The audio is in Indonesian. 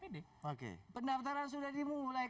pendaftaran sudah dimulai